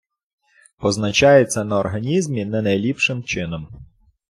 Позначається на організмі не найліпшим чином.